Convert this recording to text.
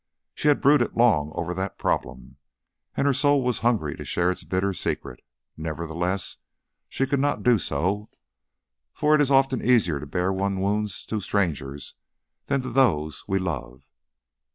She had brooded long over that problem, and her soul was hungry to share its bitter secret; nevertheless, she could not do so, for it is often easier to bare our wounds to strangers than to those we love.